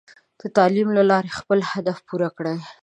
د تعلیم له لارې خپل اهداف پوره کړئ.